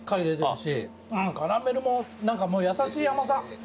うんカラメルも何かもう優しい甘さ。